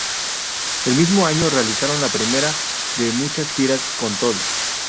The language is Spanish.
El mismo año realizaron la primera de muchas giras con Tool.